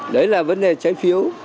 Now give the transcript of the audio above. đấy là vấn đề trái phiếu